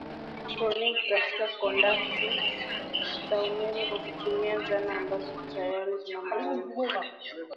mtiririko wa elektroni katika kondakta za umeme kwa kutumia zana ambazo tayari zina maarifa